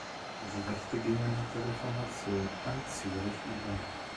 Diese Rechte gingen nach der Reformation an Zürich über.